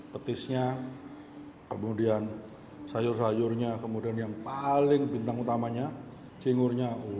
ketisnya sayur sayurnya dan yang paling bintang utamanya cinggurnya